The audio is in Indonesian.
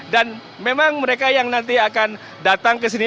dan memang mereka yang nanti akan datang kesini